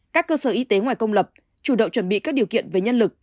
các cơ sở y tế ngoài công lập chủ động chuẩn bị các điều kiện về nhân lực